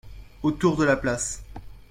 Autour de la place.